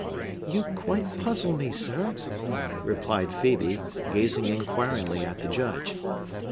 "You quite puzzle me, sir," replied Phœbe, gazing inquiringly at the Judge.